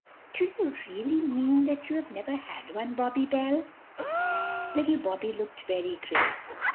Do you really mean that you never had one, Bobby Bell?" Little Bobby looked very grave.